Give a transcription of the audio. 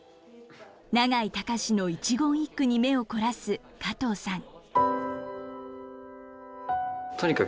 永井隆の一言一句に目を凝らす加藤さん。